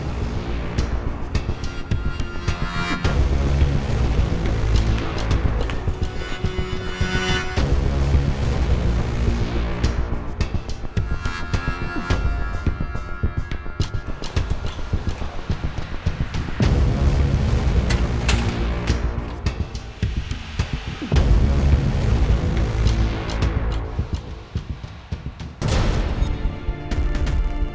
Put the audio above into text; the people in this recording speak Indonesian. tidak ada yang bisa dipercaya